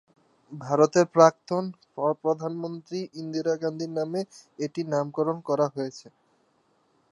ভারতের প্রাক্তন প্রধানমন্ত্রী ইন্দিরা গান্ধীর নামে এটির নামকরণ করা হয়েছে।